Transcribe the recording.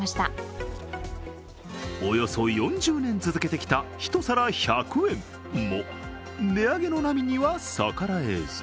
およそ４０年続けてきた一皿１００円も値上げの波には逆らえず。